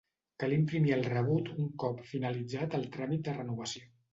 Cal imprimir el rebut un cop finalitzat el tràmit de renovació.